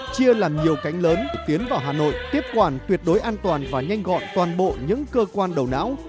chia làm nhiều cánh lớn tiến vào hà nội tiếp quản tuyệt đối an toàn và nhanh gọn toàn bộ những cơ quan đầu não